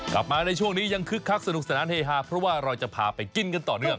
กลับมาในช่วงนี้ยังคึกคักสนุกสนานเฮฮาเพราะว่าเราจะพาไปกินกันต่อเนื่อง